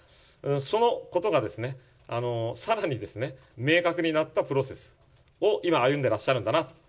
そのことが、さらにですね、明確になったプロセスを今、歩んでらっしゃるんだなと。